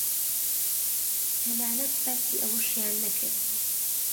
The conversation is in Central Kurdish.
تەنانەت باسی ئەوەشیان نەکرد